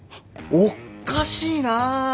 おっかしいな。